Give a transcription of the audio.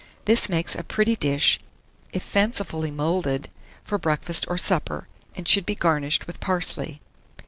This makes a pretty dish, if fancifully moulded, for breakfast or supper, and should be garnished with parsley.